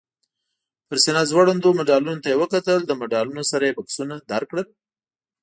پر سینه ځوړندو مډالونو ته یې وکتل، له مډالونو سره یې بکسونه درکړل؟